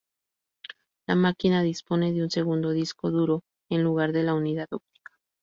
La máquina dispone de un segundo disco duro en lugar de la unidad óptica.